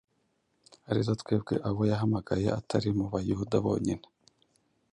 ari zo twebwe abo yahamagaye, atari mu Bayuda bonyine,